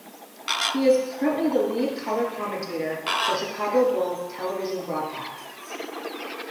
He is currently the lead color commentator for Chicago Bulls television broadcasts.